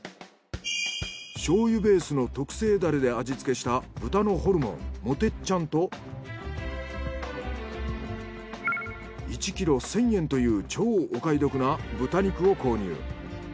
醤油ベースの特製ダレで味付けした豚のホルモンもてっちゃんと１ｋｇ１，０００円という超お買い得な豚肉を購入。